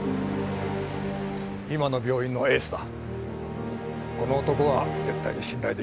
今の病院のエースだ